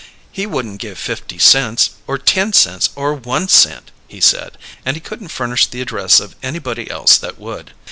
He wouldn't give fifty cents, or ten cents, or one cent, he said: and he couldn't furnish the address of anybody else that would.